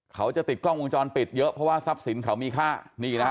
เขาจะติดกล้องวงจรปิดเยอะเพราะว่าทรัพย์สินเขามีค่านี่นะฮะ